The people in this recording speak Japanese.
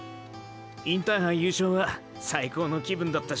インターハイ優勝は最高の気分だったショ！！